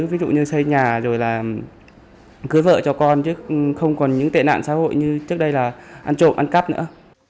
ví dụ như xây nhà rồi là cưới vợ cho con chứ không còn những tệ nạn xã hội như trước đây là ăn trộm ăn cắp nữa